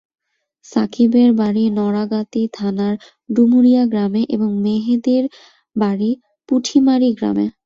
সাকিবের বাড়ি নড়াগাতি থানার ডুমুরিয়া গ্রামে এবং মেহেদীর বাড়ি পুঠিমারি গ্রামে।